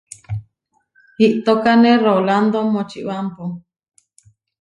Iʼtókane Rolándo Močibámpo.